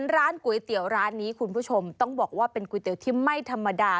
ร้านก๋วยเตี๋ยวร้านนี้คุณผู้ชมต้องบอกว่าเป็นก๋วยเตี๋ยวที่ไม่ธรรมดา